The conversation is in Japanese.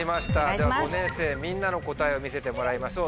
では５年生みんなの答えを見せてもらいましょう。